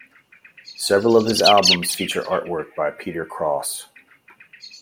Several of his albums feature artwork by Peter Cross.